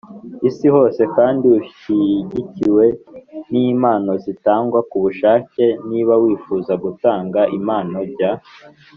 isi hose kandi ushyigikiwe n impano zitangwa ku bushake Niba wifuza gutanga impano jya